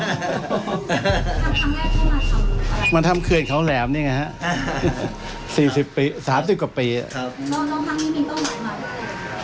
เข้ามาทำร้ายมาทำขื่นเขาแหลมนี่ไงฮะสี่สิบปีสามสิบกว่าปีอะครับ